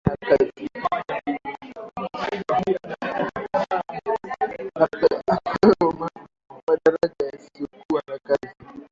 epewa madaraka yasiokua na kazi